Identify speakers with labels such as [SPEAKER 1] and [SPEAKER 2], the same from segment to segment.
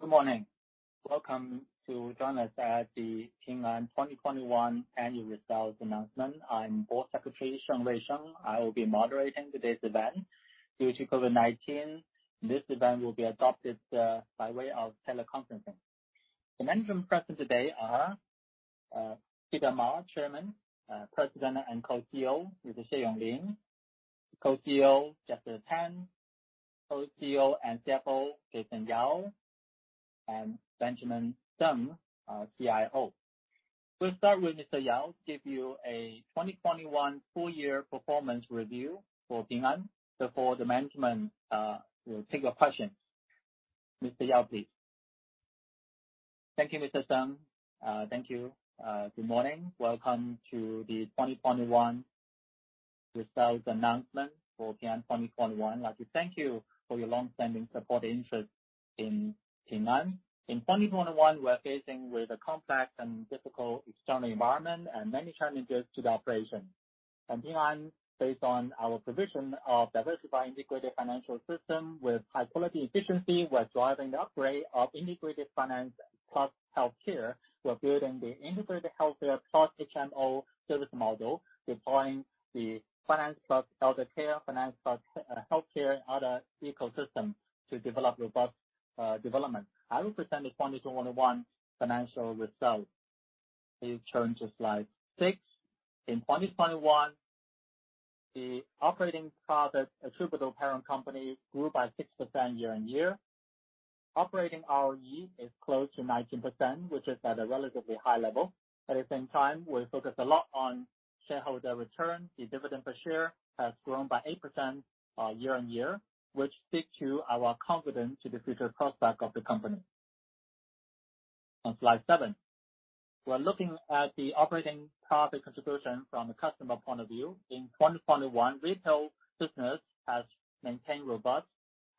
[SPEAKER 1] Good morning. Welcome to join us at the Ping An 2021 annual results announcement. I'm Board Secretary Sheng Ruisheng. I will be moderating today's event. Due to COVID-19, this event will be adopted by way of teleconferencing. The management present today are Peter Ma, Chairman, President and Co-CEO, Mr. Xie Yonglin, Co-CEO, Jessica Tan, Co-CEO and CFO, Jason Yao, and Benjamin Deng, our CIO. We'll start with Mr. Yao, give you a 2021 full year performance review for Ping An. Before the management will take your questions. Mr. Yao, please.
[SPEAKER 2] Thank you, Mr. Sheng. Thank you. Good morning. Welcome to the 2021 results announcement for Ping An 2021. I'd like to thank you for your longstanding support interest in Ping An. In 2021, we're facing with a complex and difficult external environment and many challenges to the operation. Ping An, based on our provision of diversified integrated financial system with high quality efficiency, we're driving the upgrade of integrated finance plus healthcare. We're building the integrated healthcare plus HMO service model, deploying the finance plus elder care, finance plus healthcare and other ecosystem to develop robust development. I will present the 2021 financial results. Please turn to slide 6. In 2021, the operating profit attributable parent company grew by 6% year-on-year. Operating ROE is close to 19%, which is at a relatively high level. At the same time, we focus a lot on shareholder return. The dividend per share has grown by 8% year-on-year, which speaks to our confidence to the future prospect of the company. On slide 7. We're looking at the operating profit contribution from the customer point of view. In 2021, retail business has maintained robust,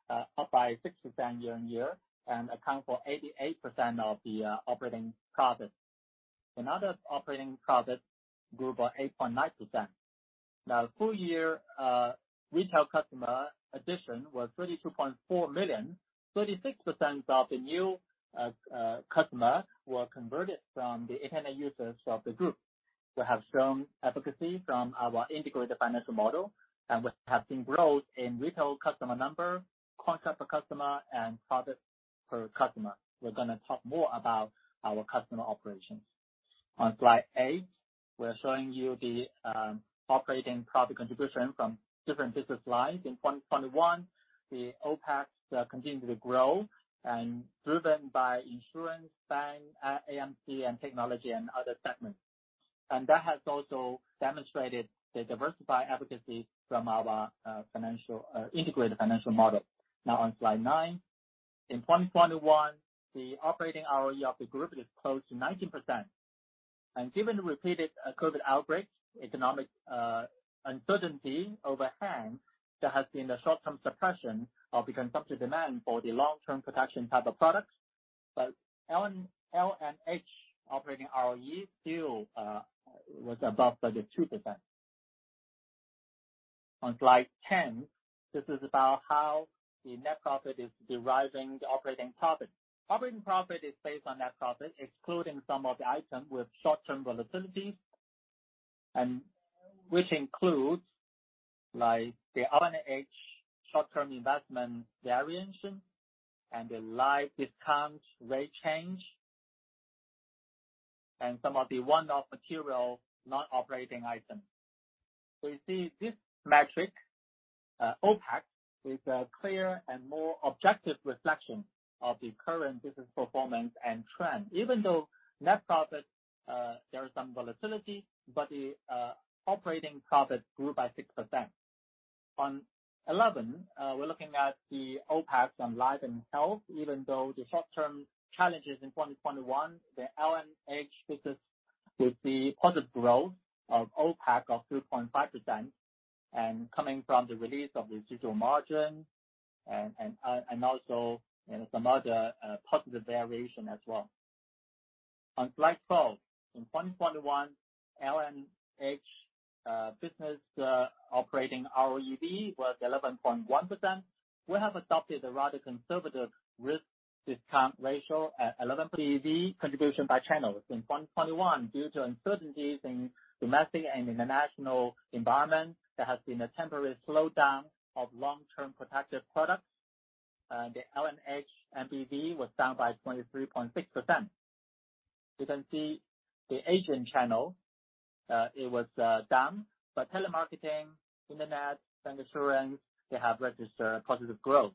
[SPEAKER 2] up by 6% year-on-year and account for 88% of the operating profit. Other operating profit grew by 8.9%. Full year, retail customer addition was 32.4 million. 36% of the new customers were converted from the internet users of the group. We have strong efficiency from our integrated financial model, and we have seen growth in retail customer number, contacts per customer, and products per customer. We're gonna talk more about our customer operations. On slide 8, we're showing you the operating profit contribution from different business lines. In 2021, the OPAT continued to grow, driven by insurance, bank, AMC, and technology and other segments. That has also demonstrated the diversified efficiency from our integrated financial model. Now on slide 9. In 2021, the operating ROE of the group is close to 19%. Given the repeated COVID outbreaks, economic uncertainty overhang, there has been a short-term suppression of the consumption demand for the long-term protection type of products. L&H operating ROE still was above 32%. On slide 10, this is about how the net profit is deriving the operating profit. Operating profit is based on net profit, excluding some of the items with short-term volatility, and which includes like the L&H short-term investment variation and the life discount rate change, and some of the one-off material non-operating items. You see this metric, OPAT, is a clear and more objective reflection of the current business performance and trend. Even though net profit there is some volatility, but the operating profit grew by 6%. On 11, we're looking at the OPAT on Life and Health. Even though the short-term challenges in 2021, the L&H business is the positive growth of OPAT of 2.5% and coming from the release of the digital margin and also, you know, some other positive variation as well. On slide 12. In 2021, L&H business operating ROEV was 11.1%. We have adopted a rather conservative risk discount ratio at 11 PV contribution by channels. In 2021, due to uncertainties in domestic and international environment, there has been a temporary slowdown of long-term protective products. The L&H NBV was down by 23.6%. You can see the Asian channel, it was down. But telemarketing, internet and insurance, they have registered positive growth.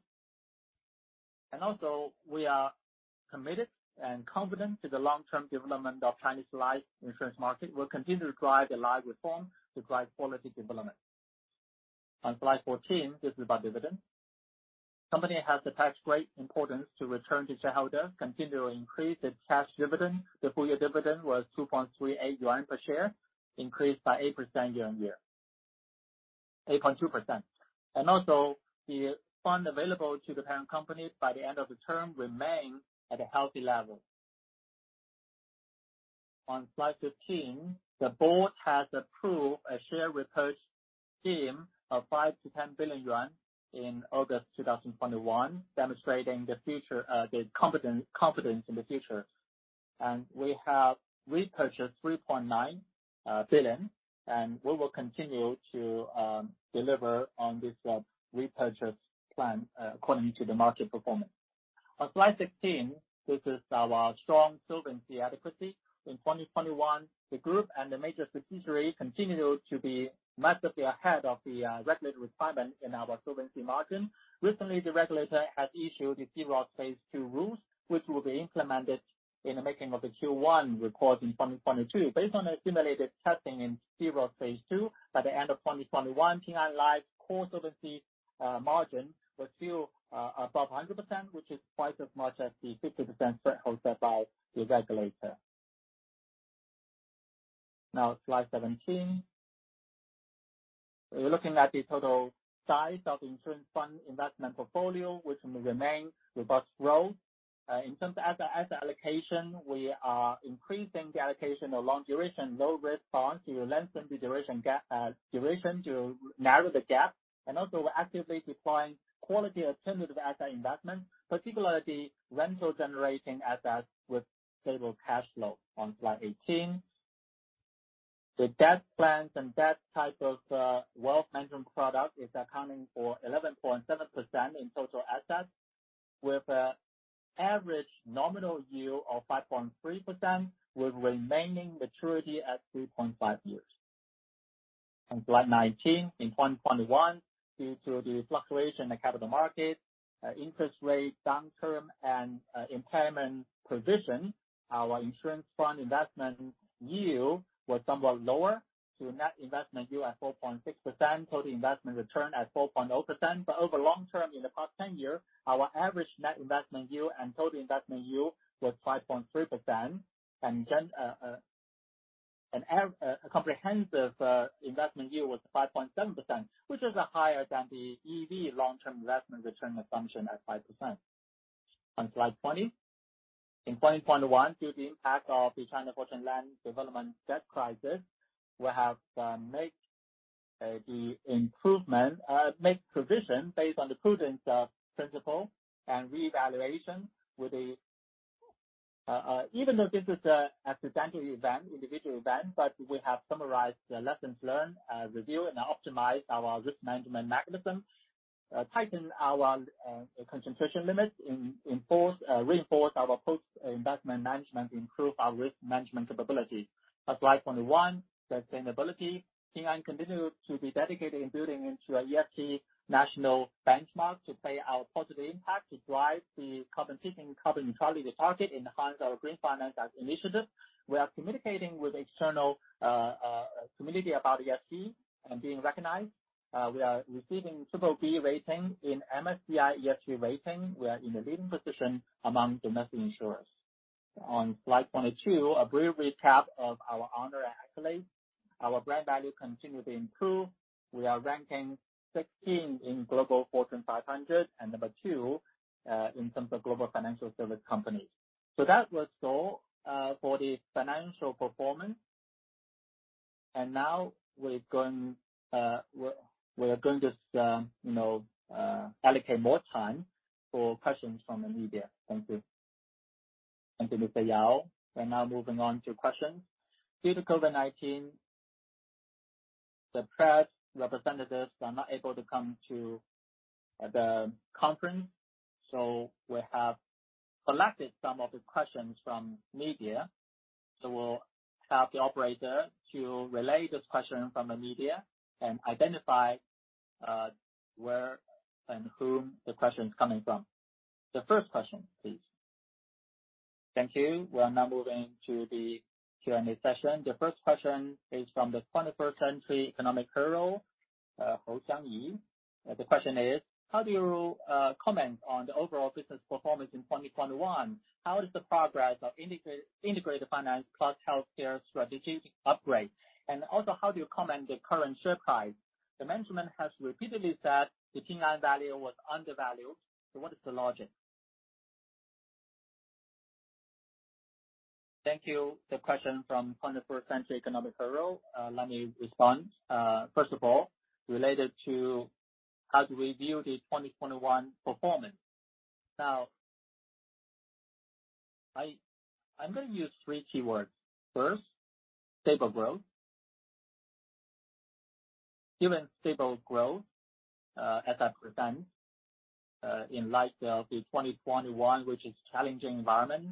[SPEAKER 2] We are committed and confident to the long-term development of Chinese life insurance market. We'll continue to drive the life reform to drive quality development. On slide 14, this is about dividend. The Company has attached great importance to return to shareholders, continually increase its cash dividend. The full year dividend was 2.38 yuan per share, increased by 8% year-on-year, 8.2%. The fund available to the parent company by the end of the term remain at a healthy level. On slide 15, the board has approved a share repurchase scheme of 5 billion-10 billion yuan in August 2021, demonstrating the confidence in the future. We have repurchased 3.9 billion, and we will continue to deliver on this repurchase plan according to the market performance. On slide 16, this is our strong solvency adequacy. In 2021, the group and the major subsidiary continued to be massively ahead of the regulatory requirement in our solvency margin. Recently, the regulator has issued the C-ROSS II rules, which will be implemented in the making of the Q1 report in 2022. Based on a simulated testing inC-ROSS II, by the end of 2021, Ping An Life core solvency margin was still above 100%, which is twice as much as the 50% set out by the regulator. Now slide 17. We're looking at the total size of insurance fund investment portfolio, which will remain robust growth. In terms of asset allocation, we are increasing the allocation of long duration, low risk bonds to lengthen the duration to narrow the gap. Also we're actively deploying quality alternative asset investment, particularly rental generating assets with stable cash flow. On slide 18. The debt plans and debt type of wealth management product is accounting for 11.7% in total assets with an average nominal yield of 5.3%, with remaining maturity at 3.5 years. On slide 19, in 2021, due to the fluctuation in capital markets, interest rate downturn, and impairment provision, our insurance fund investment yield was somewhat lower to net investment yield at 4.6%, total investment return at 4.0%. But over long term in the past 10 years, our average net investment yield and total investment yield was 5.3%. A comprehensive investment yield was 5.7%, which is higher than the EV long-term investment return assumption at 5%. On slide 20. In 2021, due to the impact of the China Fortune Land Development debt crisis, we have made provision based on the prudence principle and reevaluation. Even though this is an accidental event, individual event, we have summarized the lessons learned, reviewed and optimized our risk management mechanism, tightened our concentration limits, reinforced our post-investment management to improve our risk management capability. On slide 21, sustainability. Ping An continues to be dedicated in building into our ESG national benchmark to play our positive impact, to drive the carbon peaking, carbon neutrality target, enhance our green finance initiative. We are communicating with external community about ESG and being recognized. We are receiving BBB rating in MSCI ESG rating. We are in the leading position among domestic insurers. On slide 22, a brief recap of our honor and accolades. Our brand value continued to improve. We are ranking 16 in Fortune Global 500 and number 2 in terms of global financial service companies. That was all for the financial performance. Now we're going to allocate more time for questions from the media. Thank you.
[SPEAKER 1] Thank you, Jason Yao. We're now moving on to questions. Due to COVID-19, the press representatives were not able to come to the conference, so we have collected some of the questions from media. We'll have the operator to relay this question from the media and identify where and whom the question is coming from. The first question, please.
[SPEAKER 3] Thank you. We are now moving to the Q&A session. The first question is from the 21st Century Business Herald, Hou Jiangyi. The question is: How do you comment on the overall business performance in 2021? How is the progress of integrated finance plus healthcare strategy upgrade? And also, how do you comment the current share price? The management has repeatedly said the Ping An value was undervalued. What is the logic?
[SPEAKER 2] Thank you. The question from 21st Century Business Herald. Let me respond. First of all, related to how to review the 2021 performance. Now, I'm gonna use three keywords. First, stable growth. Given stable growth, as I've presented, in light of the 2021, which is challenging environment,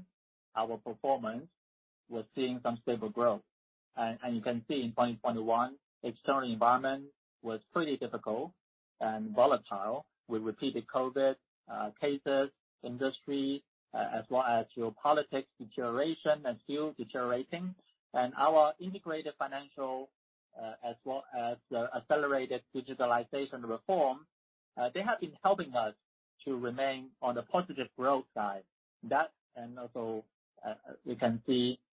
[SPEAKER 2] our performance was seeing some stable growth. You can see in 2021, external environment was pretty difficult and volatile with repeated COVID cases, industry, as well as geopolitics deterioration and still deteriorating. Our integrated financial, as well as the accelerated digitalization reform, they have been helping us to remain on the positive growth side.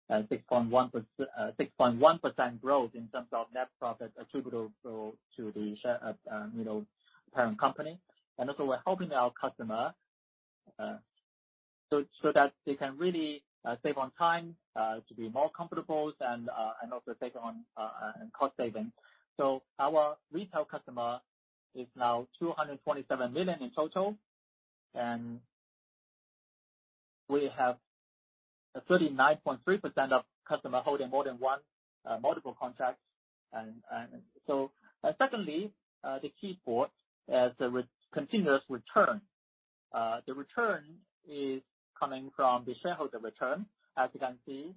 [SPEAKER 2] We can see 6.1% growth in terms of net profit attributable to the parent company, you know. We're helping our customers so that they can really save on time to be more comfortable and also cost saving. Our retail customer is now 227 million in total, and we have 39.3% of customer holding more than one multiple contract. Secondly, the key for us is continuous return. The return is coming from the shareholder return. As you can see,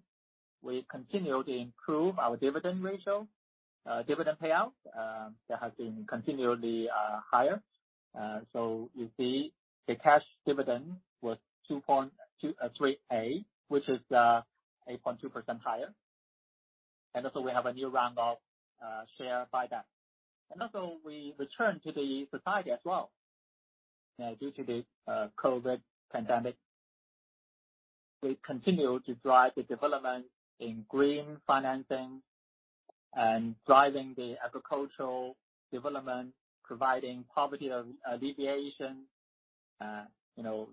[SPEAKER 2] we continue to improve our dividend ratio. Dividend payout that has been continually higher. You see the cash dividend was RMB 2.23A, which is 8.2% higher. We have a new round of share buyback. We return to the society as well. Due to the COVID pandemic, we continue to drive the development in green financing and driving the agricultural development, providing poverty alleviation.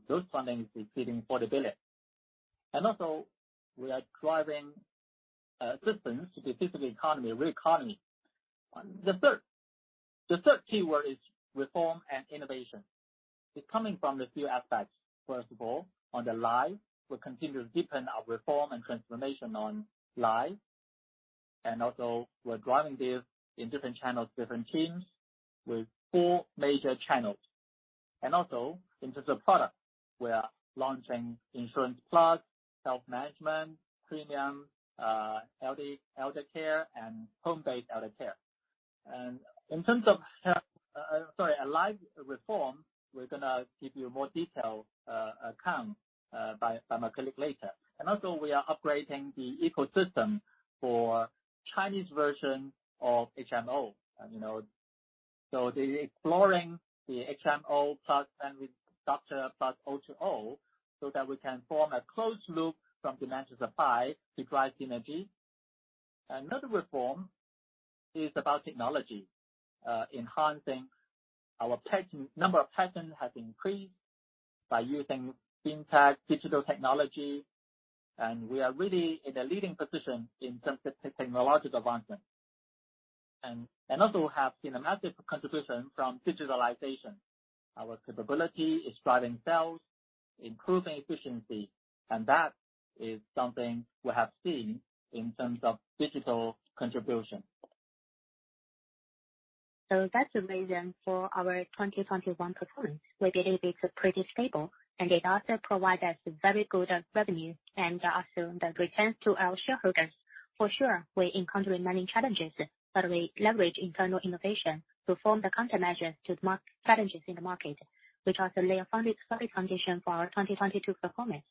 [SPEAKER 2] Those funding is including affordability. We are driving systems to benefit the economy, real economy. The third key word is reform and innovation, is coming from a few aspects. First of all, on the life, we continue to deepen our reform and transformation on life. We're driving this in different channels, different teams with four major channels. In terms of product, we are launching insurance plus, health management, premium elder care, and home-based elder care. In terms of life reform, we're gonna give you more detailed account by my colleague later. We are upgrading the ecosystem for Chinese version of HMO. You know, so we're exploring the HMO plus and with doctor plus O2O, so that we can form a closed loop from demand to supply to drive synergy. Another reform is about technology. Enhancing our patents. Number of patents has increased by using fintech digital technology, and we are really in a leading position in terms of technological advancement. We also have seen a massive contribution from digitalization. Our capability is driving sales, improving efficiency, and that is something we have seen in terms of digital contribution.
[SPEAKER 4] That's the reason for our 2021 performance. We believe it's pretty stable, and it also provide us very good revenue and also the return to our shareholders. For sure, we encounter many challenges, but we leverage internal innovation to form the countermeasures to the challenges in the market, which also lay a solid foundation for our 2022 performance.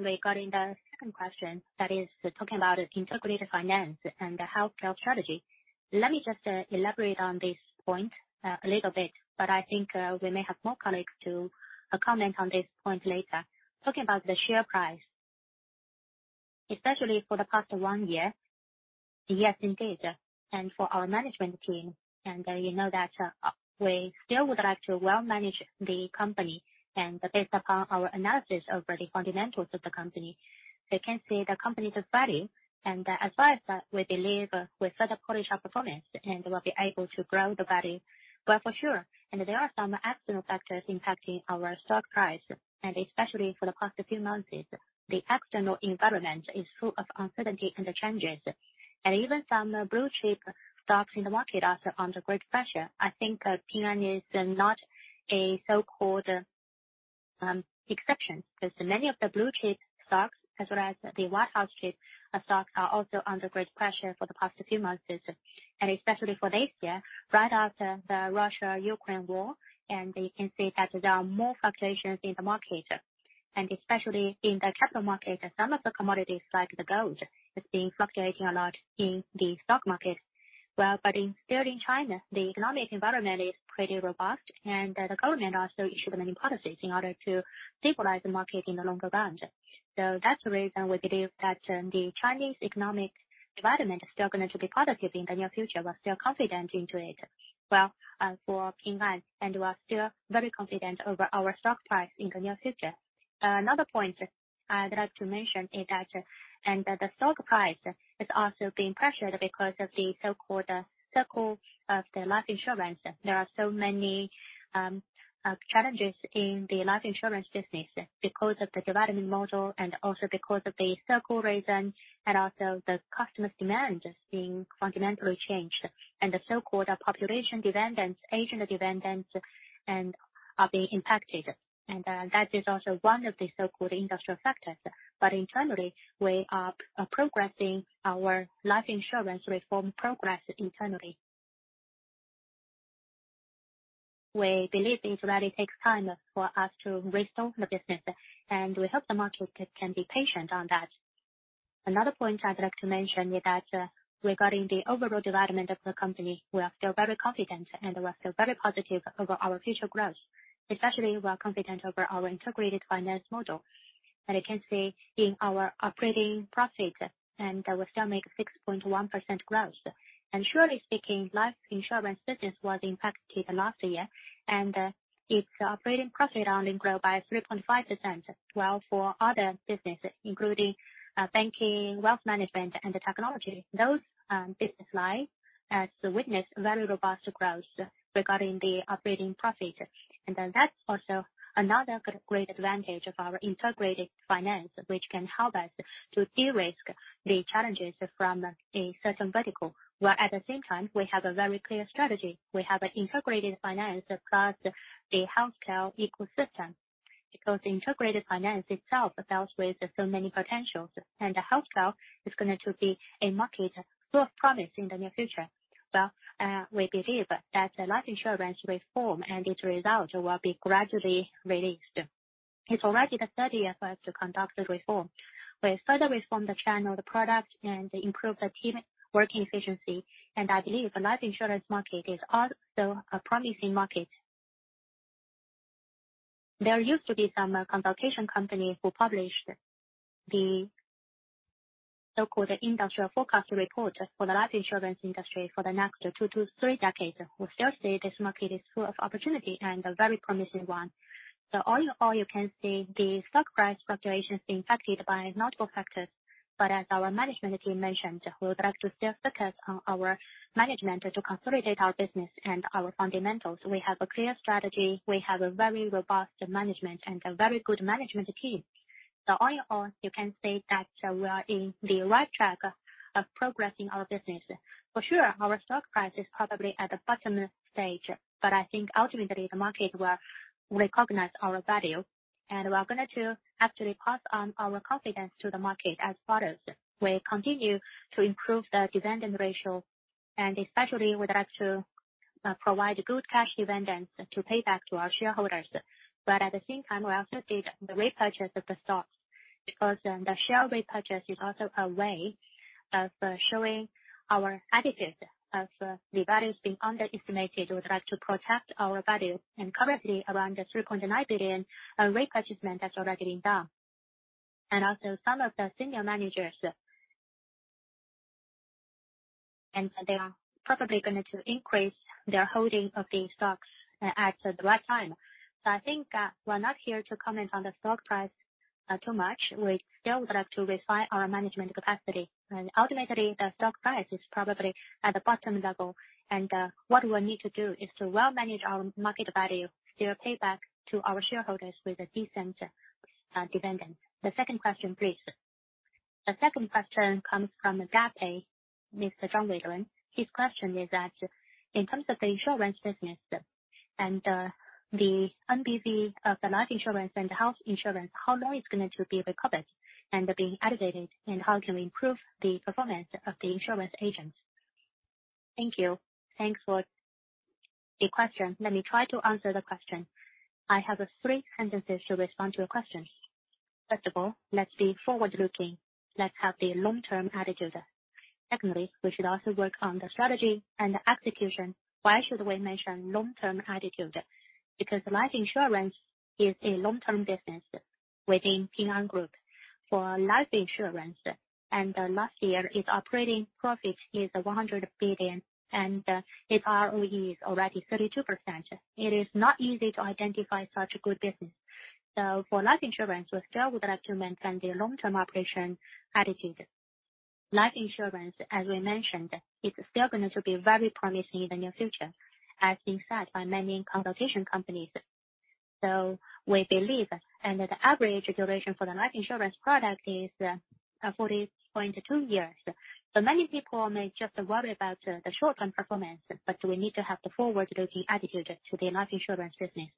[SPEAKER 4] Regarding the second question, that is talking about integrated finance and the healthcare strategy, let me just elaborate on this point a little bit, but I think we may have more colleagues to comment on this point later. Talking about the share price. Especially for the past 1 year. Yes, indeed. For our management team. You know that we still would like to well manage the company. Based upon our analysis of the fundamentals of the company, they can see the company's value. As far as that, we believe we set up to polish our performance and will be able to grow the value. For sure. There are some external factors impacting our stock price, and especially for the past few months. The external environment is full of uncertainty and changes, and even some blue-chip stocks in the market are under great pressure. I think Ping An is not a so-called exception. 'Cause many of the blue-chip stocks as well as the white horse stocks are also under great pressure for the past few months. Especially for this year, right after the Russia-Ukraine war. You can see that there are more fluctuations in the market, and especially in the capital market. Some of the commodities, like the gold, is being fluctuating a lot in the stock market. Still in China, the economic environment is pretty robust. The government also issued many policies in order to stabilize the market in the longer run. That's the reason we believe that the Chinese economic development is still gonna to be positive in the near future. We're still confident into it. For Ping An, we're still very confident over our stock price in the near future. Another point I'd like to mention is that the stock price is also being pressured because of the so-called cycle of the life insurance. There are so many challenges in the life insurance business because of the development model and also because of the cycle reason and also the customer's demand is being fundamentally changed. The so-called population dependence, agent dependence and are being impacted. That is also one of the so-called industrial factors. Internally, we are progressing our life insurance reform progress internally. We believe it really takes time for us to restore the business, and we hope the market can be patient on that. Another point I'd like to mention is that regarding the overall development of the company, we are still very confident, and we are still very positive over our future growth. Especially we are confident over our integrated finance model. You can see in our operating profit and we still make 6.1% growth. Surely speaking, life insurance business was impacted last year, and its operating profit only grow by 3.5%, while for other businesses, including banking, wealth management, and the technology, those business line has witnessed very robust growth regarding the operating profit. That's also another great advantage of our integrated finance, which can help us to de-risk the challenges from a certain vertical, while at the same time, we have a very clear strategy. We have an integrated finance across the healthcare ecosystem, because the integrated finance itself deals with so many potentials, and the healthcare is going to be a market full of promise in the near future. We believe that the life insurance reform and its results will be gradually released. It's already the third year for us to conduct the reform. We further reform the channel, the product, and improve the team working efficiency. I believe the life insurance market is also a promising market. There used to be some consulting company who published the so-called industry forecast report for the life insurance industry for the next 2-3 decades, who still say this market is full of opportunity and a very promising one. All in all, you can see the stock price fluctuations being affected by multiple factors. As our management team mentioned, we would like to still focus on our management to consolidate our business and our fundamentals. We have a clear strategy. We have a very robust management and a very good management team. All in all, you can say that we are in the right track of progressing our business. For sure, our stock price is probably at the bottom stage, but I think ultimately the market will recognize our value, and we are gonna to actually pass on our confidence to the market as follows. We continue to improve the dividend ratio, and especially we'd like to provide good cash dividends to pay back to our shareholders. At the same time, we also did the repurchase of the stocks, because the share repurchase is also a way of showing our attitude of the values being underestimated. We would like to protect our value. Currently, around 3.9 billion repurchase amount has already been done. Some of the senior managers are probably going to increase their holding of the stocks at the right time. I think, we're not here to comment on the stock price too much. We still would like to refine our management capacity. Ultimately, the stock price is probably at the bottom level. What we need to do is to well manage our market value, do a payback to our shareholders with a decent dividend.
[SPEAKER 1] The second question, please.
[SPEAKER 3] The second question comes from Mr. John Welden. His question is that, in terms of the insurance business and the NBV of the life insurance and health insurance, how long it's going to be recovered and being elevated? And how can we improve the performance of the insurance agents? Thank you.
[SPEAKER 4] Thanks for the question. Let me try to answer the question. I have three sentences to respond to your question. First of all, let's be forward-looking. Let's have the long-term attitude. Secondly, we should also work on the strategy and execution. Why should we mention long-term attitude? Because life insurance is a long-term business within Ping An Group. For life insurance, last year, its operating profit is 100 billion, and its ROE is already 32%. It is not easy to identify such good business. For life insurance, we still would like to maintain the long-term operation attitude. Life insurance, as we mentioned, is still going to be very promising in the near future, as being said by many consulting companies. We believe the average duration for the life insurance product is 40.2 years. Many people may just worry about the short-term performance, but we need to have the forward-looking attitude to the life insurance business.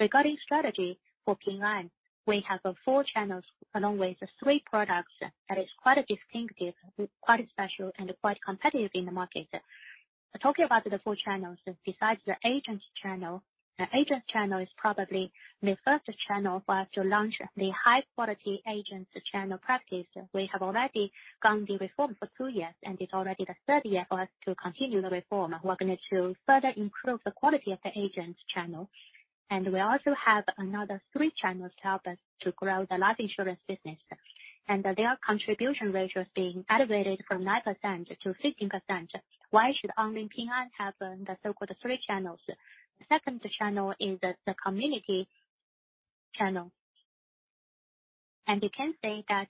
[SPEAKER 4] Regarding strategy for Ping An, we have four channels along with the three products that is quite a distinctive, quite special, and quite competitive in the market. Talking about the four channels, besides the agent channel, the agent channel is probably the first channel for us to launch the high-quality agent channel practice. We have already undergone the reform for two years, and it's already the third year for us to continue the reform. We're going to further improve the quality of the agent channel. We also have another three channels to help us to grow the life insurance business. Their contribution ratio is being elevated from 9% to 15%. Why should only Ping An have the so-called three channels? The second channel is the community channel. You can say that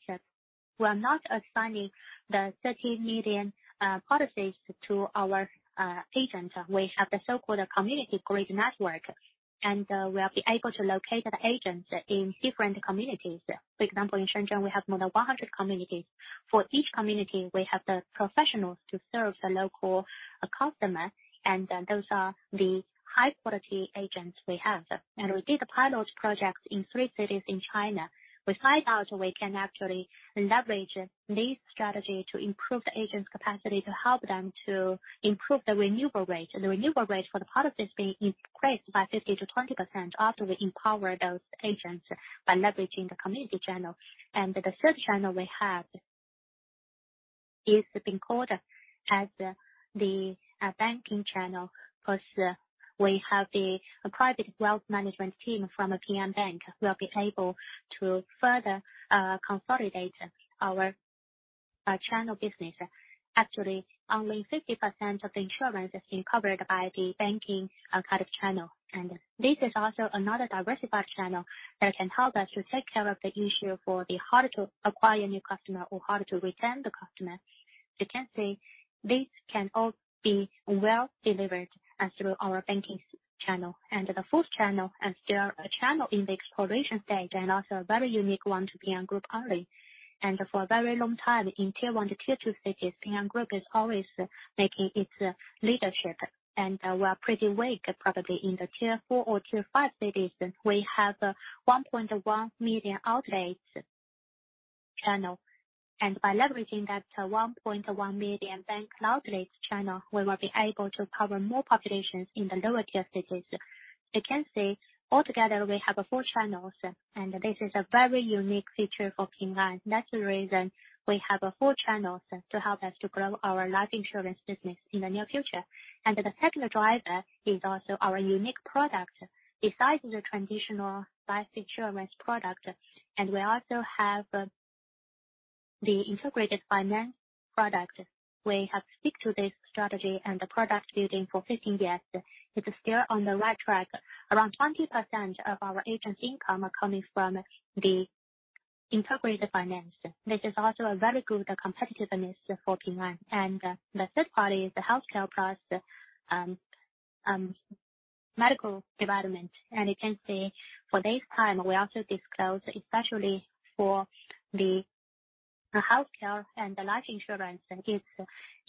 [SPEAKER 4] we're not assigning the 30 million policies to our agent. We have the so-called community grid network, and we'll be able to locate the agents in different communities. For example, in Shenzhen, we have more than 100 communities. For each community, we have the professionals to serve the local customer, and those are the high-quality agents we have. We did a pilot project in three cities in China. We find out we can actually leverage this strategy to improve the agent's capacity to help them to improve the renewal rate. The renewal rate for the product is being increased by 15% to 20% after we empower those agents by leveraging the community channel. The third channel we have is being called the banking channel, 'cause we have the private wealth management team from Ping An Bank will be able to further consolidate our channel business. Actually, only 50% of the insurance is being covered by the banking kind of channel. This is also another diversified channel that can help us to take care of the issue for the how to acquire new customer or how to retain the customer. You can see these can all be well-delivered as through our banking channel. The fourth channel is still a channel in the exploration stage, and also a very unique one to Ping An Group only. For a very long time in tier one to tier two cities, Ping An Group is always maintaining its leadership. We are pretty weak probably in the tier four or tier five cities. We have 1.1 million outlets channel. By leveraging that 1.1 million bank outlets channel, we will be able to cover more populations in the lower tier cities. You can see altogether we have four channels, and this is a very unique feature for Ping An. That's the reason we have four channels to help us to grow our life insurance business in the near future. The second driver is also our unique product. Besides the traditional life insurance product, and we also have the integrated finance product. We have stuck to this strategy and the product building for 15 years. It is still on the right track. Around 20% of our agent income are coming from the integrated finance. This is also a very good competitiveness for Ping An. The third party is the healthcare plus, medical development. You can see for this time we also disclose, especially for the healthcare and the life insurance is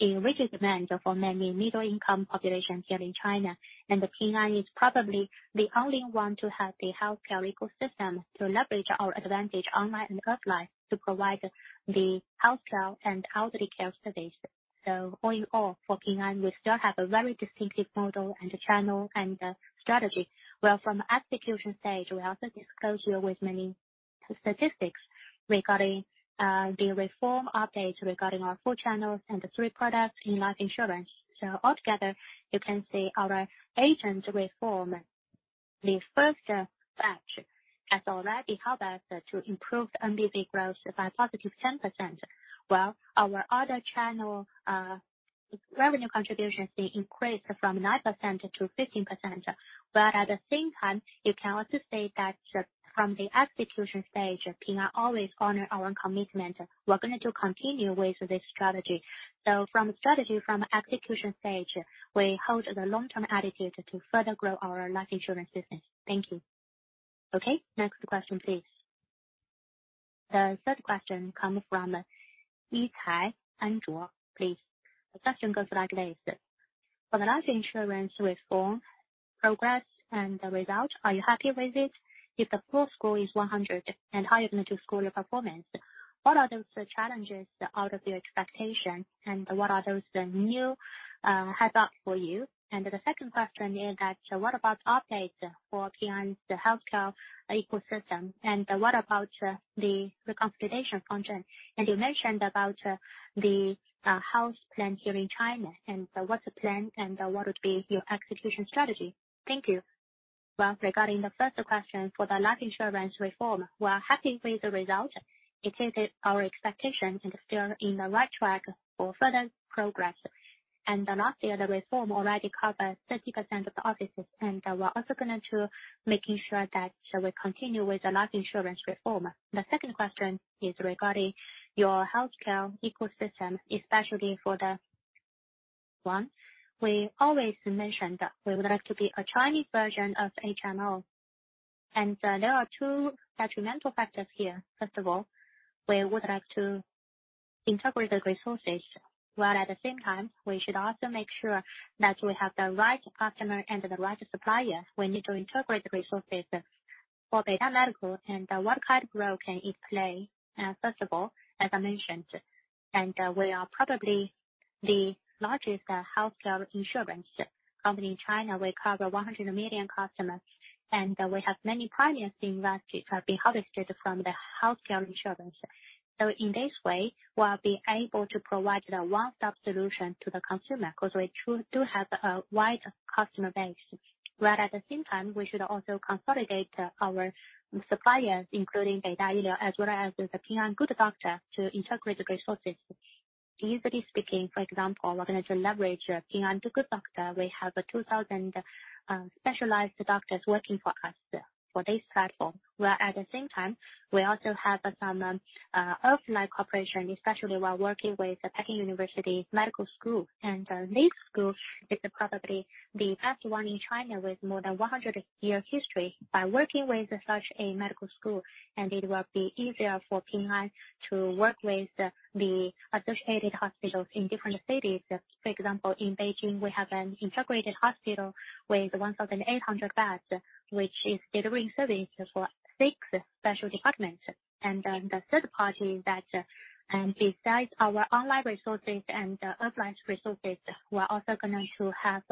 [SPEAKER 4] in rigid demand for many middle-income populations here in China. Ping An is probably the only one to have the healthcare ecosystem to leverage our advantage online and offline to provide the healthcare and elderly care service. All in all, for Ping An, we still have a very distinctive model and a channel and a strategy. Well, from execution stage, we also disclose here with many statistics regarding the reform updates regarding our four channels and the three products in life insurance. Altogether, you can see our agent reform. The first batch has already helped us to improve MVP growth by positive 10%, while our other channel revenue contributions being increased from 9% to 15%. At the same time, you can also say that from the execution stage, Ping An always honor our commitment. We're going to continue with this strategy. From strategy, from execution stage, we hold the long-term attitude to further grow our life insurance business. Thank you.
[SPEAKER 1] Okay, next question please.
[SPEAKER 3] The third question comes from Itai Anju, please. The question goes like this: For the life insurance reform progress and the result, are you happy with it? If the full score is 100, and how are you going to score your performance? What are those challenges out of your expectation, and what are those new heads up for you? And the second question is that what about updates for Ping An's healthcare ecosystem, and what about the consolidation function? And you mentioned about the health plan here in China, and what's the plan and what would be your execution strategy? Thank you.
[SPEAKER 4] Well, regarding the first question for the life insurance reform, we are happy with the result. It is our expectation and still on the right track for further progress. Last year the reform already covered 30% of the offices, and we're also going to make sure that we continue with the life insurance reform. The second question is regarding your healthcare ecosystem, especially for the one we always mentioned. We would like to be a Chinese version of HMO. There are two fundamental factors here. First of all, we would like to integrate the resources, while at the same time, we should also make sure that we have the right customer and the right supplier. We need to integrate the resources for beta medical and what kind of role can it play. First of all, as I mentioned, we are probably the largest healthcare insurance company in China. We cover 100 million customers, and we have many pioneers in that have been harvested from the healthcare insurance. In this way, we're being able to provide the one-stop solution to the consumer, 'cause we do have a wide customer base. While at the same time, we should also consolidate our suppliers, including a dealer, as well as the Ping An Good Doctor to integrate the resources. Usually speaking, for example, we're gonna leverage Ping An Good Doctor. We have 2,000 specialized doctors working for us for this platform, while at the same time, we also have some offline cooperation, especially while working with the Peking University Medical School. This school is probably the best one in China with more than 100-year history. By working with such a medical school, it will be easier for Ping An to work with the associated hospitals in different cities. For example, in Beijing, we have an integrated hospital with 1,800 beds, which is delivering service for six special departments. The third party that, besides our online resources and the offline resources, we are also going to have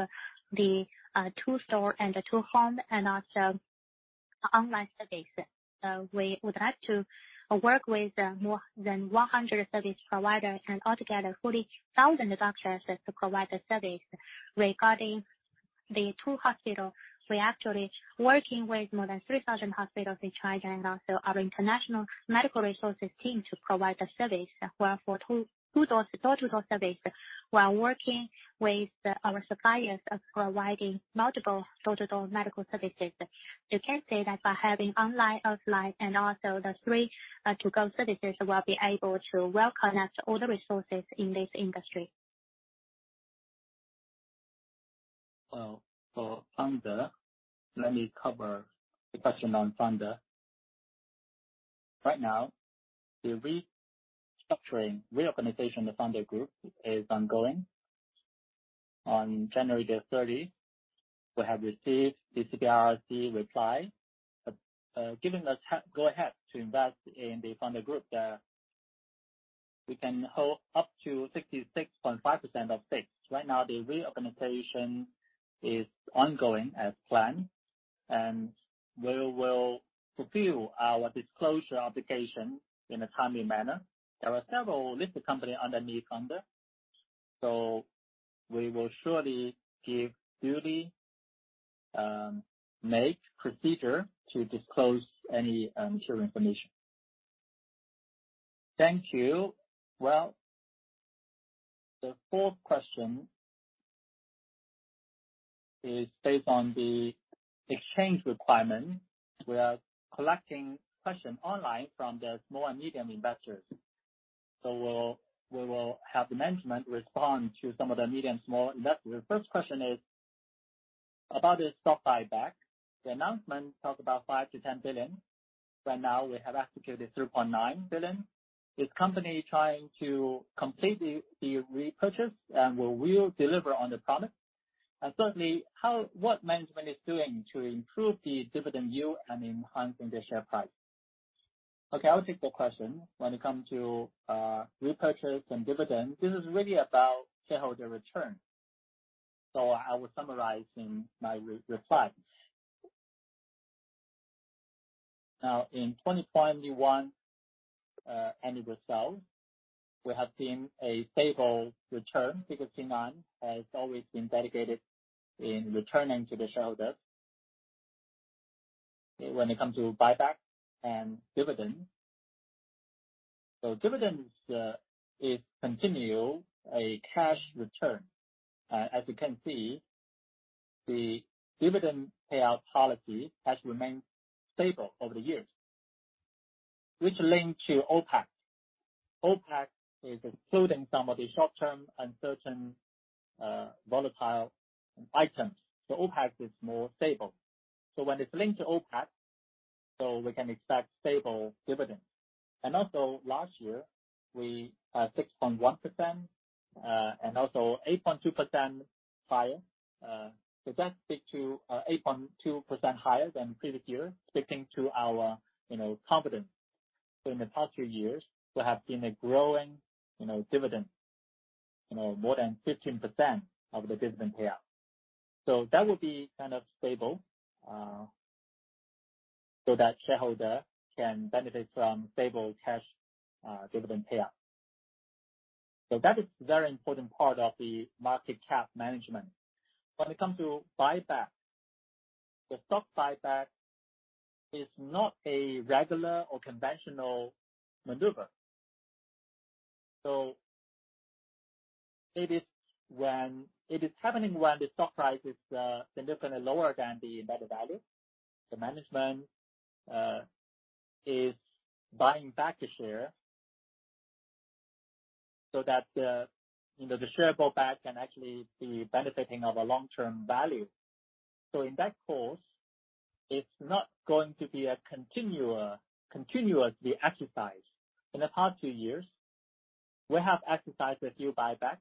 [SPEAKER 4] the tool store and the tool farm and also online service. We would like to work with more than 100 service providers and altogether 40,000 doctors to provide the service. Regarding the two hospital, we're actually working with more than 3,000 hospitals in China and also our international medical resources team to provide the service. For door-to-door service, we are working with our suppliers of providing multiple door-to-door medical services. You can say that by having online, offline, and also the three to-go services, we'll be able to well connect all the resources in this industry.
[SPEAKER 2] For Founder, let me cover the question on Founder. Right now, the restructuring, reorganization of Founder Group is ongoing. On January 30, we have received the CBIRC reply, giving us go ahead to invest in the Founder Group. We can hold up to 66.5% of stakes. Right now, the reorganization is ongoing as planned, and we will fulfill our disclosure obligation in a timely manner. There are several listed companies underneath Founder, so we will surely do duty, follow procedure to disclose any material information.
[SPEAKER 1] Thank you. The fourth question is based on the exchange requirement. We are collecting questions online from the small and medium investors. We will have the management respond to some of the small and medium investors. The first question is about the stock buyback. The announcement talked about 5 billion-10 billion. Right now we have executed 3.9 billion. Is the company trying to complete the repurchase, and will we deliver on the promise? Certainly, what management is doing to improve the dividend yield and enhancing the share price?
[SPEAKER 2] Okay, I'll take the question. When it comes to repurchase and dividend, this is really about shareholder return. I will summarize in my reply. Now, in 2021 annual results, we have seen a stable return because Ping An has always been dedicated to returning to the shareholders. When it comes to buyback and dividend. Dividends continue as a cash return. As you can see, the dividend payout policy has remained stable over the years, which links to OPAT. OPAT includes some of the short-term and certain volatile items. OPAT is more stable. When it's linked to OPAT, we can expect stable dividends. Last year, we had 6.1%, and also 8.2% higher. 8.2% higher than previous year, speaking to our confidence. In the past few years, we have seen a growing dividend, more than 15% of the dividend payout. That would be kind of stable, so that shareholder can benefit from stable cash dividend payout. That is very important part of the market cap management. When it comes to buyback, the stock buyback is not a regular or conventional maneuver. It is happening when the stock price is significantly lower than the embedded value. The management is buying back a share so that, you know, the share bought back can actually be benefiting of a long-term value. In that course, it's not going to be a continuously exercise. In the past few years, we have exercised a few buybacks.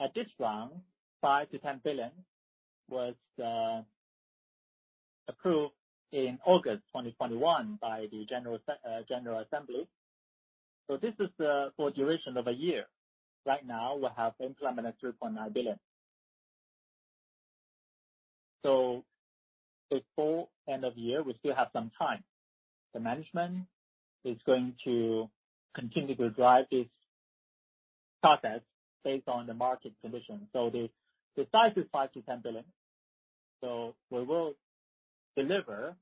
[SPEAKER 2] At this round, 5 billion-10 billion was approved in August 2021 by the general assembly. This is for duration of a year. Right now, we have implemented 3.9 billion. Before end of year, we still have some time. The management is going to continue to drive this process based on the market condition. The size is 5 billion-10 billion. We will deliver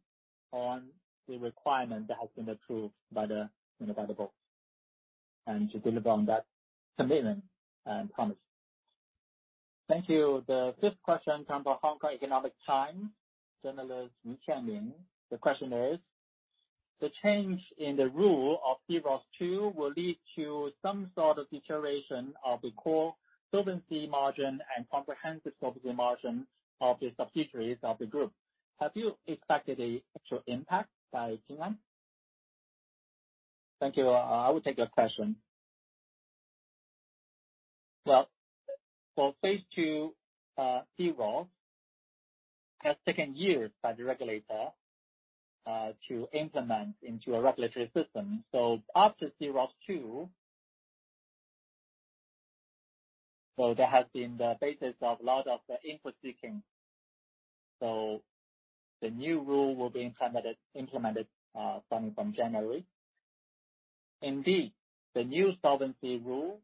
[SPEAKER 2] on the requirement that has been approved by the, you know, by the board, and to deliver on that commitment and promise. Thank you.
[SPEAKER 3] The fifth question comes from Hong Kong Economic Times journalist Wu Jianming. The question is: The change in the rule of C-ROSS II will lead to some sort of deterioration of the core solvency margin and comprehensive solvency margin of the subsidiaries of the group. Have you expected an actual impact by Jinguan?
[SPEAKER 2] Thank you. I will take your question. Well, for phase II, C-ROSS has taken years by the regulator to implement into a regulatory system. After C-ROSS II there has been the basis of a lot of the input seeking. The new rule will be implemented from January. Indeed, the new solvency rule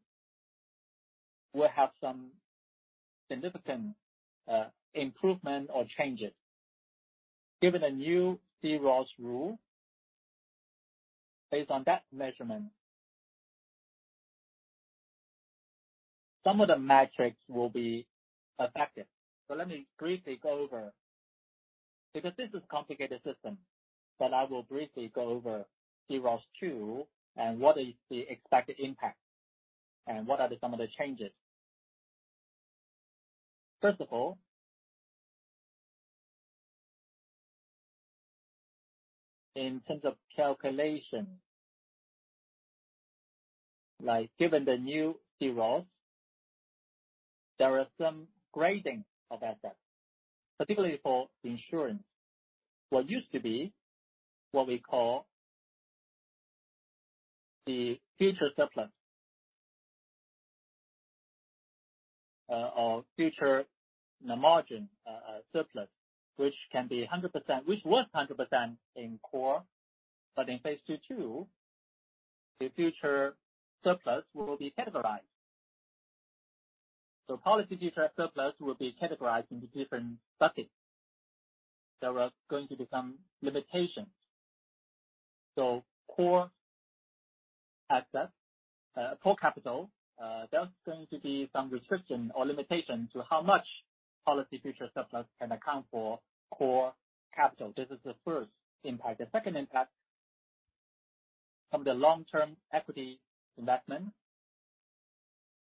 [SPEAKER 2] will have some significant improvement or changes. Given the new C-ROSS rule, based on that measurement some of the metrics will be affected. Let me briefly go over. Because this is complicated system, but I will briefly go over C-ROSS II and what is the expected impact and what are some of the changes. First of all, in terms of calculation, like given the new C-ROSS, there are some grading of assets, particularly for insurance. What used to be what we call the future surplus or future margin surplus, which was 100% in C-ROSS, but in phase II, the future surplus will be categorized. So policy future surplus will be categorized into different buckets. There are going to be some limitations. So C-ROSS assets, C-ROSS capital, there's going to be some restriction or limitation to how much policy future surplus can account for C-ROSS capital. This is the first impact. The second impact from the long-term equity investment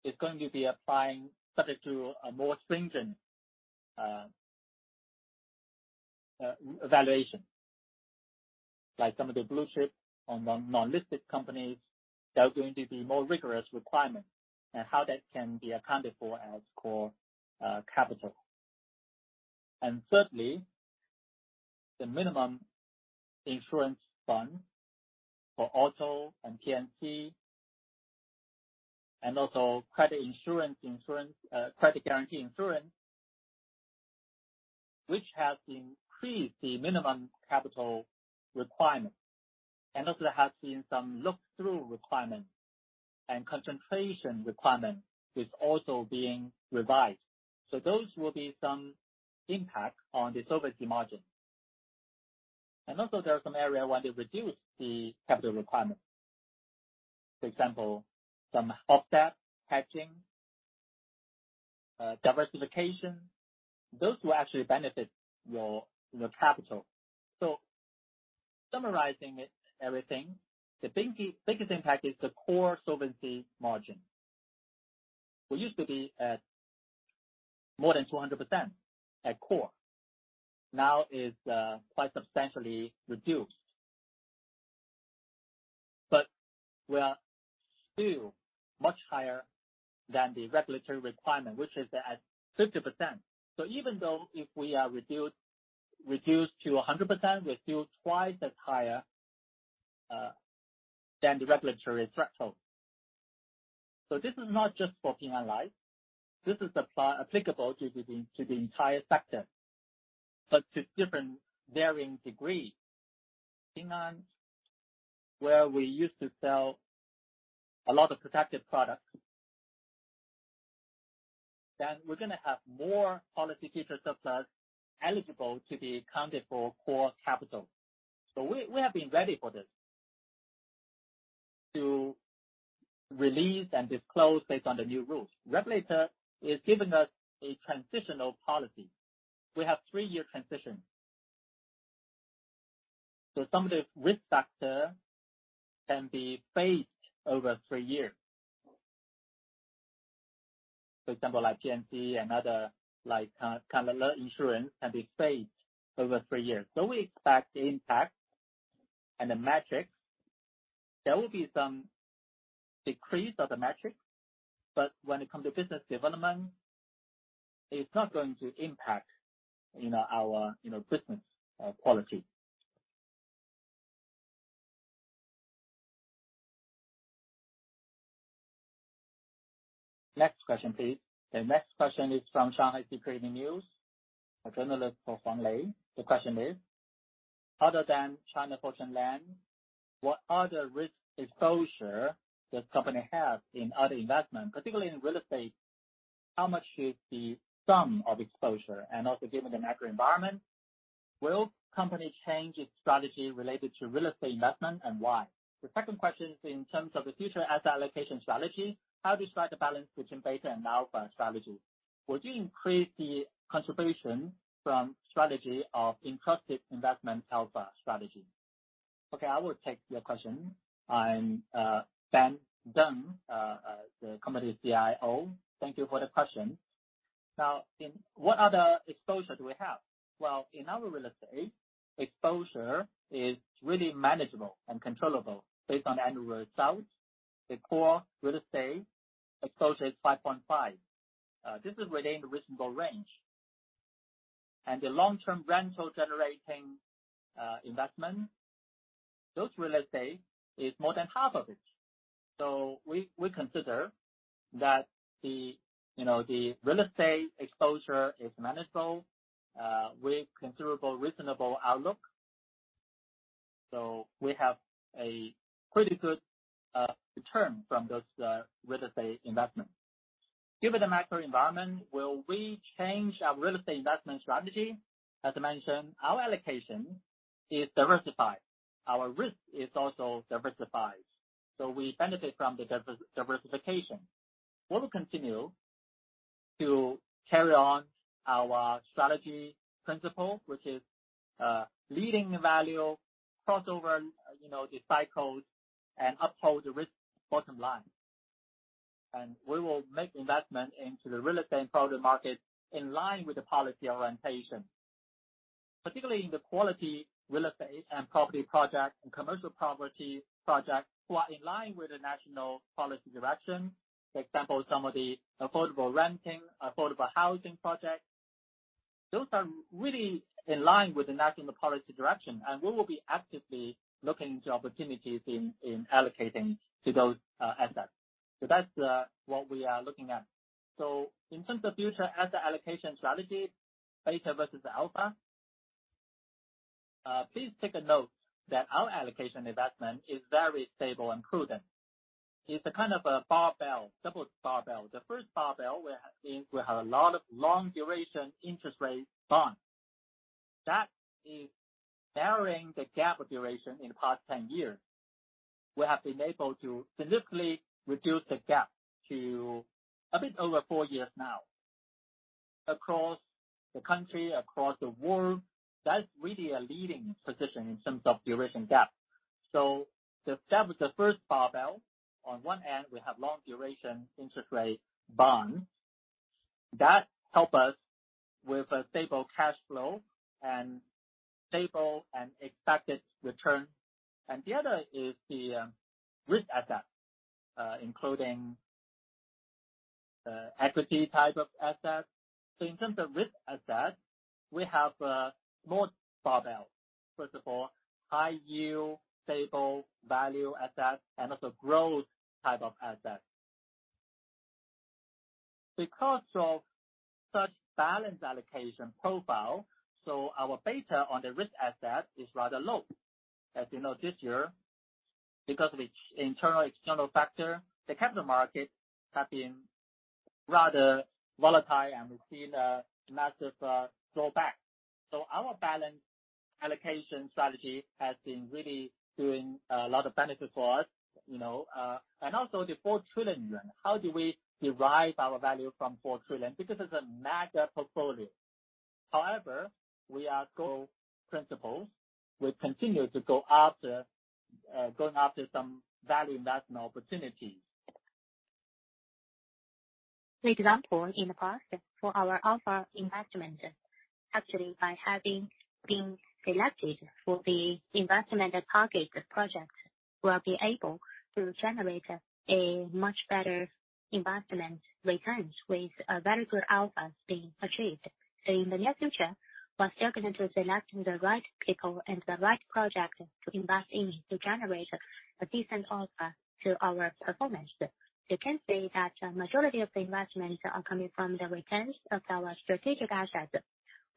[SPEAKER 2] is going to be applying subject to a more stringent evaluation. Like some of the blue chip on the non-listed companies, there are going to be more rigorous requirements and how that can be accounted for as core capital. Thirdly, the minimum insurance fund for auto and P&C, and also credit insurance, credit guarantee insurance, which has increased the minimum capital requirement, and also has been some look-through requirement and concentration requirement is also being revised. Those will be some impact on the solvency margin. There are some area where they reduce the capital requirement. For example, some of that hedging, diversification, those will actually benefit your capital. Summarizing everything, the biggest impact is the core solvency margin. We used to be at more than 200% at core. Now it is quite substantially reduced. We are still much higher than the regulatory requirement, which is at 50%. Even though if we are reduced to 100%, we're still twice as higher than the regulatory threshold. This is not just for Ping An Life, this is applicable to the entire sector, but to different varying degrees. Ping An, where we used to sell a lot of protective products, then we're gonna have more policy future surplus eligible to be accounted for core capital. We have been ready for this to release and disclose based on the new rules. Regulator has given us a transitional policy. We have three-year transition. Some of the risk factor can be phased over three years. For example, like P&C and other similar insurance can be phased over three years. We expect the impact and the metrics. There will be some decrease of the metric, but when it comes to business development, it's not going to impact, you know, our, you know, business quality.
[SPEAKER 1] Next question, please.
[SPEAKER 3] The next question is from Shanghai Securities News, a journalist called Huang Lei. The question is: Other than China Fortune Land, what other risk exposure does company have in other investment, particularly in real estate? How much is the sum of exposure? And also, given the macro environment, will company change its strategy related to real estate investment, and why? The second question is in terms of the future asset allocation strategy, how do you strike a balance between beta and alpha strategy? Would you increase the contribution from strategy of in-trust investment alpha strategy?
[SPEAKER 5] Okay, I will take your question. I'm Benjamin Deng, the company CIO. Thank you for the question. Now, in what other exposure do we have? Well, in our real estate exposure is really manageable and controllable based on annual results. The core real estate exposure is 5.5%. This is within the reasonable range. And the long-term rental generating investment, those real estate is more than half of it. So we consider that the, you know, the real estate exposure is manageable with considerable reasonable outlook. So we have a pretty good return from those real estate investment. Given the macro environment, will we change our real estate investment strategy? As I mentioned, our allocation is diversified. Our risk is also diversified. So we benefit from the diversification. We will continue to carry on our strategy principle, which is value-led, cross over, you know, the cycles and uphold the risk bottom line. We will make investment into the real estate product market in line with the policy orientation. Particularly in the quality real estate and property project and commercial property project who are in line with the national policy direction. For example, some of the affordable renting, affordable housing projects. Those are really in line with the national policy direction, and we will be actively looking into opportunities in allocating to those assets. That's what we are looking at. In terms of future asset allocation strategy, beta versus alpha. Please take a note that our allocation investment is very stable and prudent. It's a kind of a barbell, double barbell. The first barbell we have seen will have a lot of long duration interest rate bonds. That is narrowing the gap of duration in the past 10 years. We have been able to significantly reduce the gap to a bit over four years now. Across the country, across the world, that's really a leading position in terms of duration gap. That was the first barbell. On one end, we have long duration interest rate bonds. That help us with a stable cash flow and stable and expected return. The other is the risk asset, including equity type of assets. In terms of risk asset, we have more barbell. First of all, high yield, stable value assets and also growth type of assets. Because of such balance allocation profile, so our beta on the risk asset is rather low. As you know, this year, because of its internal, external factor, the capital markets have been rather volatile and we've seen a massive throwback. Our balance allocation strategy has been really doing a lot of benefit for us, you know. Also the 4 trillion yuan. How do we derive our value from 4 trillion? Because it's a mega portfolio. However, we are co-principals. We continue to go after some value investment opportunities. For example, in the past, for our alpha investment, actually, by having been selected for the investment target projects, we'll be able to generate a much better investment returns with a very good alpha being achieved. In the near future, we are still going to be selecting the right people and the right project to invest in to generate a decent alpha to our performance. You can see that a majority of the investments are coming from the returns of our strategic assets.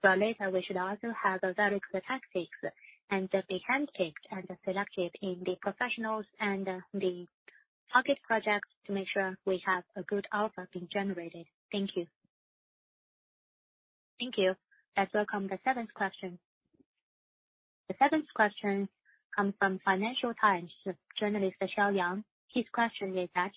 [SPEAKER 5] Later, we should also have a very good tactics and be handpicked and selected in the professionals and the target projects to make sure we have a good alpha being generated. Thank you.
[SPEAKER 3] Thank you. Let's welcome the seventh question. The seventh question comes from Financial Times, the journalist Michelle Yang. His question is that,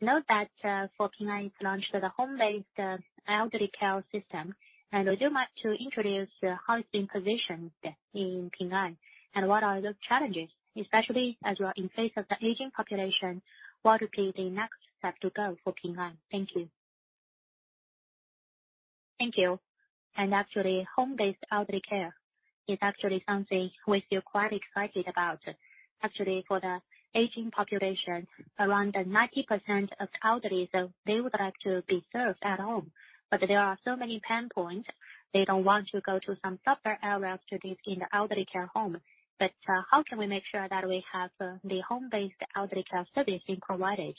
[SPEAKER 3] note that, for Ping An's launch of the home-based elderly care system, and would you mind to introduce your highest positions in Ping An, and what are those challenges? Especially as you are in face of the aging population, what will be the next step to go for Ping An? Thank you.
[SPEAKER 2] Thank you. Actually, home-based elderly care is actually something we feel quite excited about. Actually, for the aging population, around 90% of elderlies, they would like to be served at home. There are so many pain points. They don't want to go to some proper areas to live in the elderly care home. How can we make sure that we have the home-based elderly care service being provided?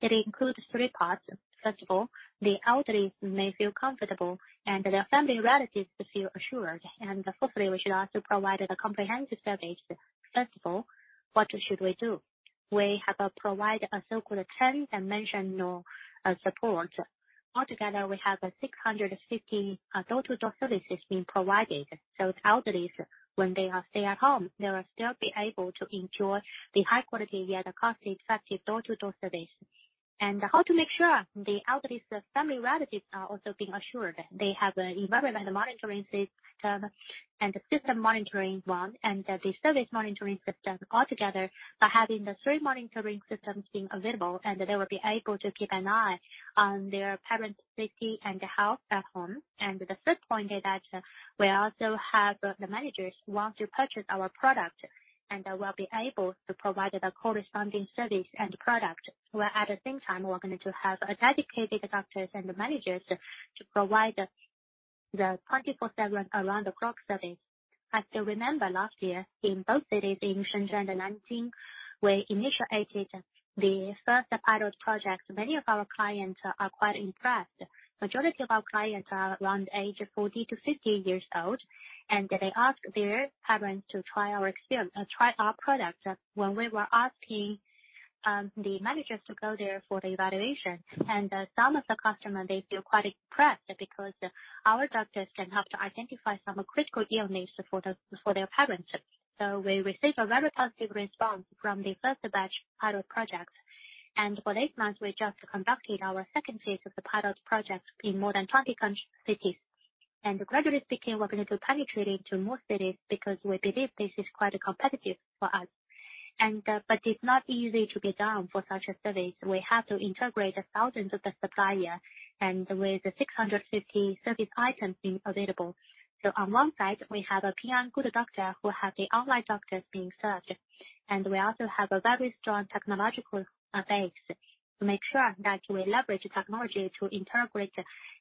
[SPEAKER 2] It includes three parts. First of all, the elderly may feel comfortable and their family relatives feel assured. Thirdly, we should also provide a comprehensive service. First of all, what should we do? We have provided a so-called ten dimensional support. Altogether, we have 650 door-to-door services being provided. Elderlies, when they stay at home, they will still be able to enjoy the high quality yet cost-effective door-to-door service. How to make sure the elderly's family relatives are also being assured. They have an environment monitoring system and a health monitoring system, and the service monitoring system altogether. By having the three monitoring systems being available, they will be able to keep an eye on their parents' safety and health at home. The third point is that we also have the managers who want to purchase our product, and we'll be able to provide the corresponding service and product. We're at the same time going to have dedicated doctors and managers to provide 24/7 around-the-clock service. As you remember last year, in both cities, Shenzhen and Nanjing, we initiated the first pilot project. Many of our clients are quite impressed. Majority of our clients are around age 40 to 50 years old, and they ask their parents to try our service, try our products. When we were asking the managers to go there for the evaluation, and some of the customers, they feel quite impressed because our doctors can help to identify some critical illness for the, for their parents. We receive a very positive response from the first batch pilot project. For eight months, we just conducted our second phase of the pilot project in more than 20 cities. Gradually speaking, we're gonna be penetrating to more cities because we believe this is quite competitive for us. It's not easy to be done for such a service. We have to integrate thousands of the supplier and with 650 service items being available. On one side, we have a Ping An Good Doctor who have the online doctors being served. We also have a very strong technological base to make sure that we leverage technology to integrate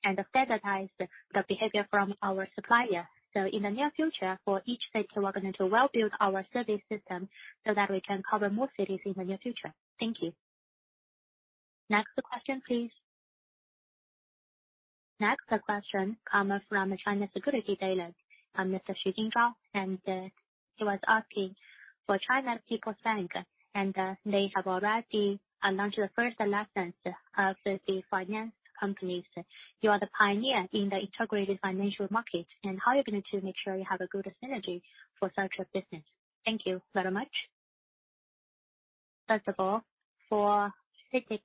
[SPEAKER 2] and standardize the behavior from our supplier. In the near future, for each city, we're going to well build our service system so that we can cover more cities in the near future. Thank you.
[SPEAKER 1] Next question, please.
[SPEAKER 3] Next question comes from the China Securities Journal, Mr. Xu Jingdao, he was asking for People's Bank of China, they have already announced the first license of the finance companies. You are the pioneer in the integrated financial market and how you're going to make sure you have a good synergy for such a business.
[SPEAKER 2] Thank you very much. First of all, for specific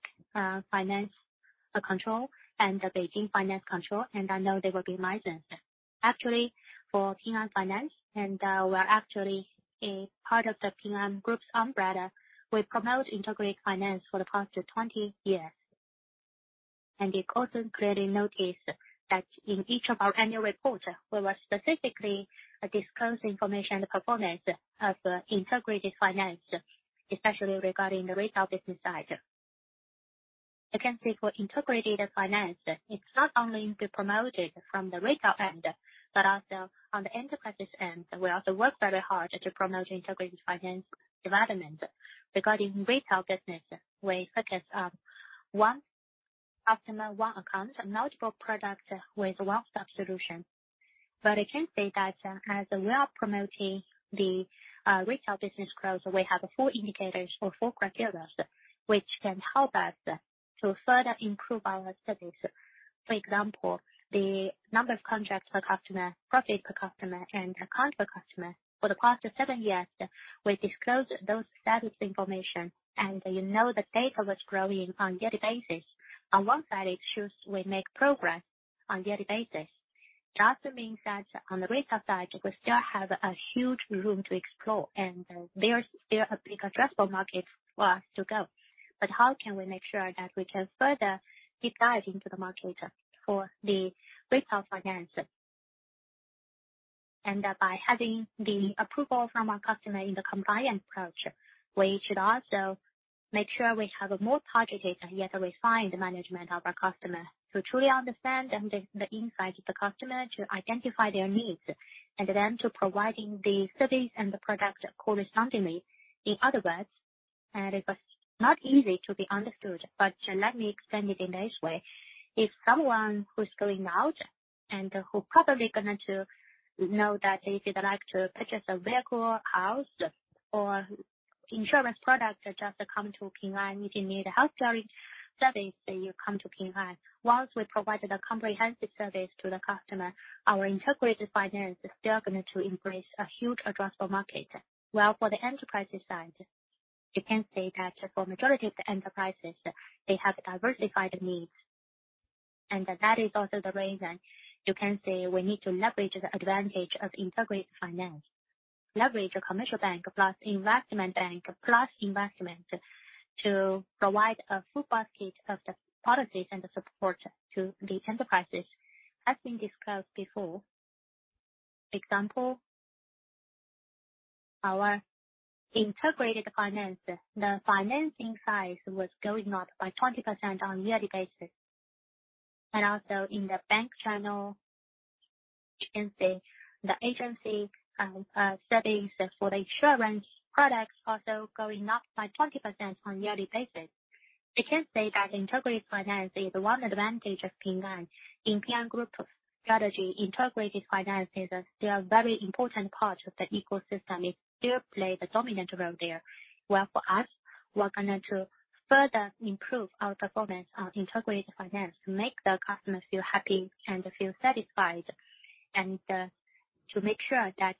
[SPEAKER 2] finance control and the Beijing finance control, I know they will be licensed. Actually, for Ping An Finance, we're actually a part of the Ping An Group's umbrella. We promote integrated finance for the past 20 years. You also clearly notice that in each of our annual reports, we will specifically disclose information, the performance of integrated finance, especially regarding the retail business side. Again, personal integrated finance. It's not only being promoted from the retail end, but also on the enterprises end. We also work very hard to promote integrated finance development. Regarding retail business, we focus on one customer, one account, multiple products with one-stop solution. I can say that as we are promoting the retail business growth, we have four indicators or four criteria which can help us to further improve our service. For example, the number of contracts per customer, profit per customer and account per customer. For the past seven years, we disclosed those status information and you know the data was growing on yearly basis. On one side, it shows we make progress on yearly basis. It also means that on the retail side, we still have a huge room to explore and there's still a big addressable market for us to go. How can we make sure that we can further deep dive into the market for the retail finance? By having the approval from our customer in the compliant approach, we should also make sure we have a more targeted, yet refined management of our customer to truly understand and the insight of the customer to identify their needs, and then to providing the service and the product correspondingly. In other words, it was not easy to be understood, but let me explain it in this way. If someone who's going out and who probably going to know that they would like to purchase a vehicle, house or insurance product just come to Ping An. If you need a healthcare service, you come to Ping An. Once we provided a comprehensive service to the customer, our integrated finance is still going to embrace a huge addressable market. Well, for the enterprises side, you can say that for majority of the enterprises, they have diversified needs. That is also the reason you can say we need to leverage the advantage of integrated finance, leverage commercial bank, plus investment bank, plus investments to provide a full basket of the products and the support to the enterprises. As we discussed before, for example, our integrated finance, the financing size was going up by 20% on yearly basis. Also in the bank channel, you can say the agency service for the insurance products also going up by 20% on yearly basis. You can say that integrated finance is one advantage of Ping An. In Ping An Group strategy, integrated finance is still a very important part of the ecosystem. It still play the dominant role there. Well, for us, we're gonna to further improve our performance on integrated finance to make the customers feel happy and feel satisfied, and to make sure that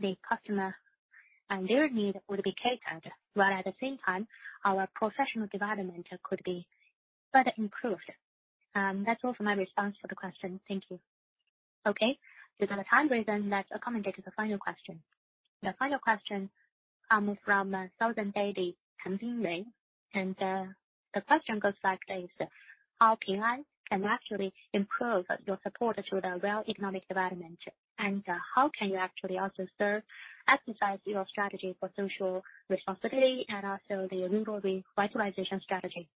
[SPEAKER 2] the customer and their need would be catered, while at the same time our professional development could be further improved. That's all for my response to the question. Thank you.
[SPEAKER 1] Okay. Due to the time reason, let's accommodate the final question.
[SPEAKER 3] The final question comes from Southern Daily, Tan Mingwei. The question goes like this: How Ping An can actually improve your support to the real economic development? And how can you actually also serve emphasize your strategy for social responsibility and also the rural revitalization strategy?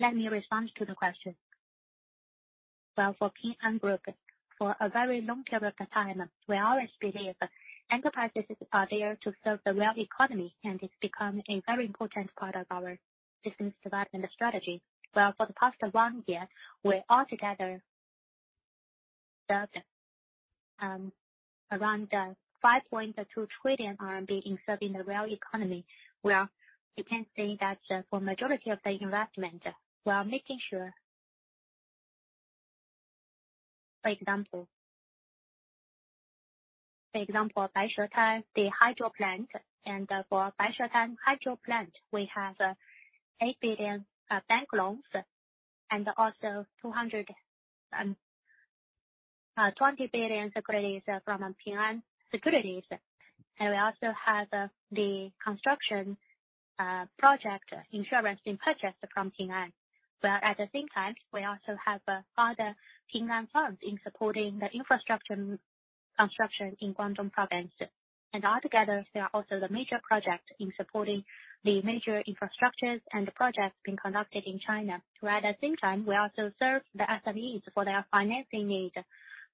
[SPEAKER 2] Let me respond to the question. For Ping An Group, for a very long period of time, we always believe enterprises are there to serve the real economy, and it's become a very important part of our business development strategy. For the past one year, we altogether served around 5.2 trillion RMB in serving the real economy. You can say that for majority of the investment, while making sure. For example, Baihetan, the hydro plant. For Baihetan hydro plant, we have 8 billion bank loans and also 220 billion securities from Ping An Securities. We also have the construction project insurance being purchased from Ping An. At the same time, we also have other Ping An funds in supporting the infrastructure construction in Guangdong Province. Altogether, they are also the major project in supporting the major infrastructures and the projects being conducted in China. While at the same time, we also serve the SMEs for their financing needs.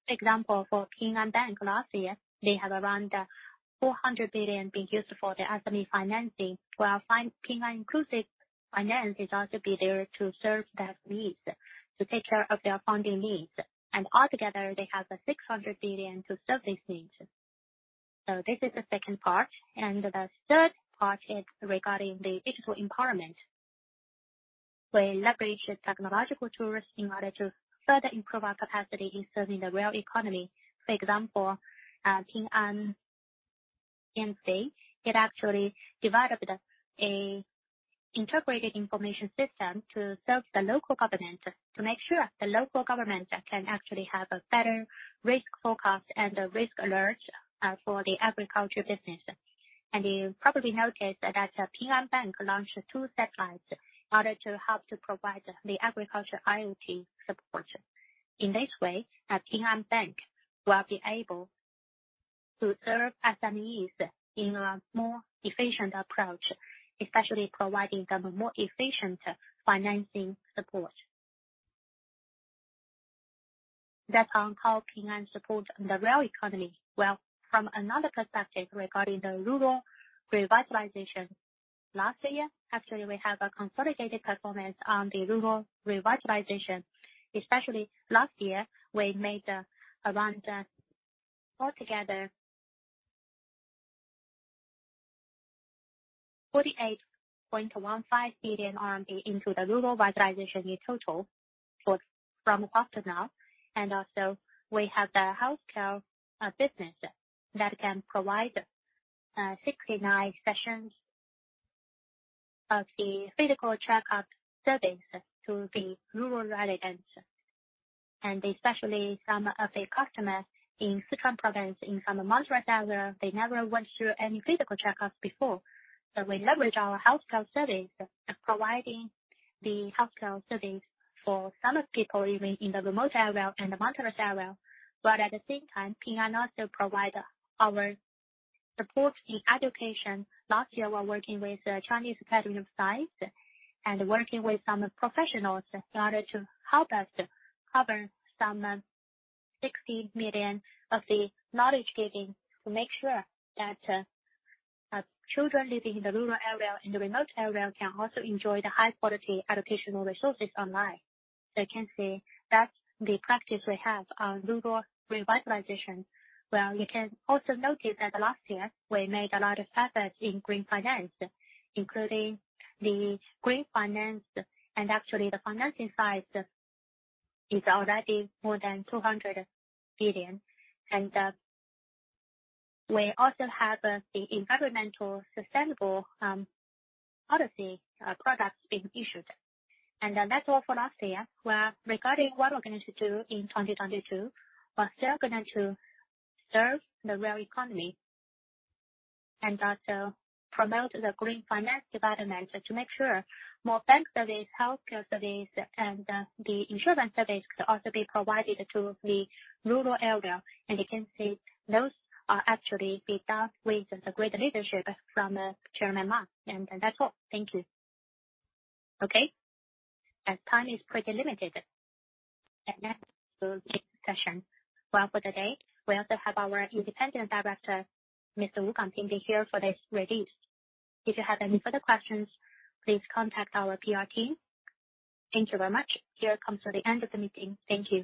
[SPEAKER 2] Example for Ping An Bank last year, they have around 400 billion being used for the SME financing. While Ping An Inclusive Finance is also be there to serve that needs, to take care of their funding needs. Altogether, they have 600 billion to serve these needs. This is the second part. The third part is regarding the digital empowerment. We leverage technological tools in order to further improve our capacity in serving the real economy. For example, Ping An Insurance actually developed an integrated information system to serve the local government, to make sure the local government can actually have a better risk forecast and risk alert for the agriculture business. You probably noticed that, Ping An Bank launched two satellites in order to help provide the agriculture IoT support. In this way, Ping An Bank will be able to serve SMEs in a more efficient approach, especially providing them a more efficient financing support. That's how Ping An supports the real economy. Well, from another perspective, regarding the rural revitalization last year, actually we have a consolidated performance on the rural revitalization, especially last year, we made around altogether 48.15 billion RMB into the rural revitalization in total for from. Also we have the healthcare business that can provide 69 sessions of the physical checkup service to the rural residents, and especially some of the customers in Sichuan Province, in some mountainous area, they never went through any physical checkups before. We leverage our healthcare service, providing the healthcare service for some of the people even in the remote area and the mountainous area. At the same time, Ping An also provide our support in education. Last year, we were working with the Chinese Academy of Sciences and working with some professionals in order to help us cover some 60 million of the knowledge-giving to make sure that children living in the rural area, in the remote area, can also enjoy the high-quality educational resources online. You can see that's the practice we have on rural revitalization. Well, you can also notice that the last year we made a lot of progress in green finance, including the green finance. Actually the financing side is already more than 200 billion. We also have the environmentally sustainable policy products being issued. That's all for last year. Well, regarding what we're going to do in 2022, we're still going to serve the real economy and also promote the green finance development to make sure more bank service, healthcare service, and the insurance service could also be provided to the rural area. You can see those are actually be done with the great leadership from Chairman Ma. That's all. Thank you.
[SPEAKER 1] Okay. As time is pretty limited, next we'll take questions. Well, for today, we also have our independent director, Mr. Wu Gangping will be here for this release. If you have any further questions, please contact our PR team. Thank you very much. We're coming to the end of the meeting. Thank you.